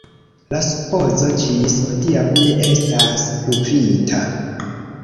La supozo ĝis hodiaŭ ne estas pruvita.